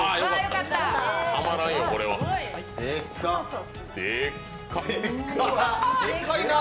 たまらんよ、これは。でっか！